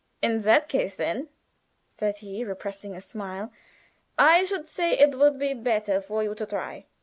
"In that case then," said he, repressing a smile, "I should say it would be better for you to try.